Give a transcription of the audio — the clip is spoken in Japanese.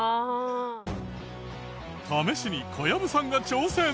試しに小籔さんが挑戦。